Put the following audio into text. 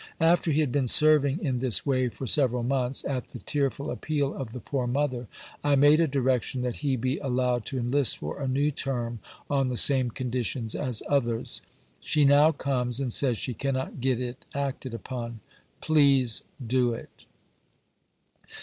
After he had been serving in this way for several months, at the tearful appeal of the poor mother, I made a direction that he be allowed to enlist for a new term, on the same conditions as ,1 en 1 1 J. J. Lincoln to others. She now comes, and says she cannot get stanton, March l it acted upon. Please do it."